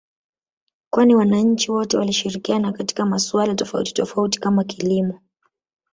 kwani wananchi wote walishirikiana katika masuala tofauti tofauti kama kilimo